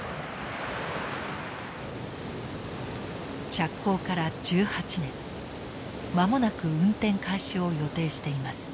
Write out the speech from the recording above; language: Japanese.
着工から１８年間もなく運転開始を予定しています。